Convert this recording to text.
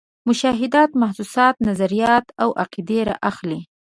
مشاهدات، محسوسات، نظریات او عقیدې را اخلي.